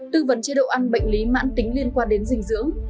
tư vấn chế độ ăn bệnh lý mãn tính liên quan đến dinh dưỡng